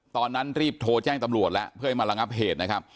ตอนนั้นรีบโทรแจ้งตำรวจแล้วเพื่อให้มาระงับเหตุนะครับ